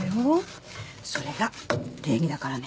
それが礼儀だからね。